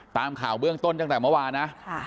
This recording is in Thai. ตามข่าวเบื้องต้นจากเมื่อวานนะ